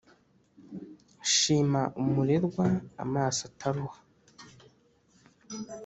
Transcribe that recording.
shima umurerwa amaso ataruha.